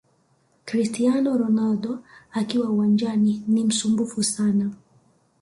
Cristiano Ronaldo akiwa uwanjani ni msumbufu sana